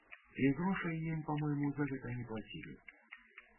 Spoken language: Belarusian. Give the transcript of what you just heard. І грошай ім, па-мойму, за гэта не плацілі.